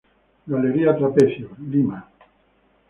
Galería Trapecio, Lima.